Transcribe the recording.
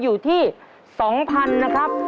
อยู่ที่๒๐๐๐นะครับ